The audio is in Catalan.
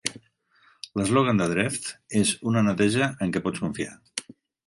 L'eslògan de Dreft és "Una neteja en què pots confiar".